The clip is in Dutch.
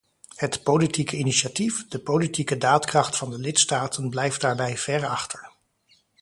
Het politieke initiatief, de politieke daadkracht van de lidstaten blijft daarbij ver achter.